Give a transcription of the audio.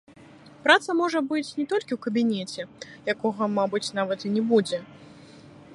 Праца можа быць не толькі ў кабінеце, якога, мабыць, нават не будзе.